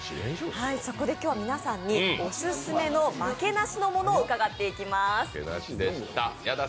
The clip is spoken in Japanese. そこで今日は皆さんにオススメの負けなしのものを伺っていきます。